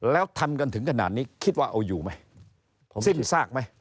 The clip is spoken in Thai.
แล้วทำกันถึงขนาดนี้คิดว่าเอาอยู่ไหมสิ้นซากไหม